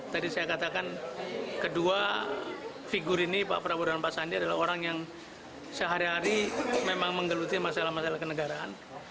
tadi saya katakan kedua figur ini pak prabowo dan pak sandi adalah orang yang sehari hari memang menggeluti masalah masalah kenegaraan